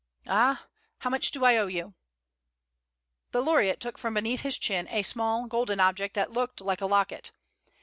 Ah how much do I owe you?" The laureate took from beneath his chin a small golden object that looked like a locket.